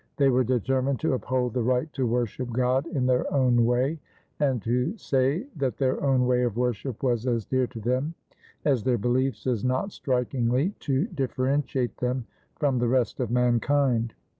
They were determined to uphold the right to worship God in their own way; and to say that their own way of worship was as dear to them as their beliefs is not strikingly to differentiate them from the rest of mankind.